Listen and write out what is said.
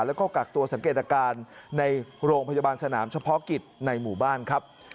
แล้วก็กักตัวสังเกตอาการในโรงพยาบาลสนามเฉพาะกิจในหมู่บ้านครับ